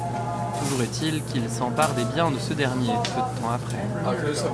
Toujours est-il qu'il s'empare des biens de ce dernier peu de temps après.